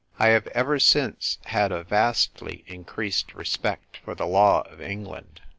I have ever since had a vastly increased respect for the law of England.